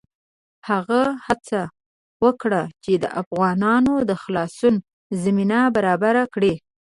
هغه هڅه وکړه چې د افغانانو د خلاصون زمینه برابره کړي.